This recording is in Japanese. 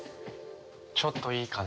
ちょっといいかな？